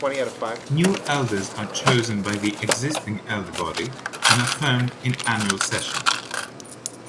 New elders are chosen by the existing elder body and affirmed in annual session.